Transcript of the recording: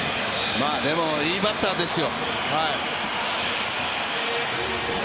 でもいいバッターですよ。